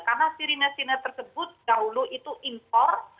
karena sirine sirine tersebut dahulu itu impor